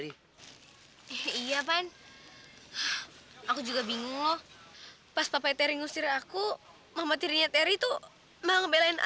iya oke ntar aku mampir kau dadah